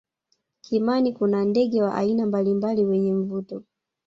kimani kuna ndege wa aina mbalimbali wenye mvuto